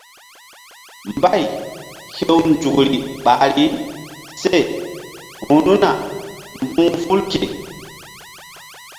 Mbay hew nzukri ɓahri seru̧na mbu̧h ful ke.